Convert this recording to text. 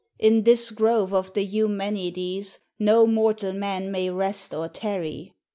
In this grove of the Eumenides no mortal man may rest or tarry."